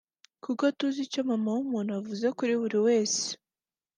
kuko tuzi icyo mama wumuntu avuze kuri buri wese